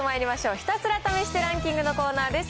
ひたすら試してランキングのコーナーです。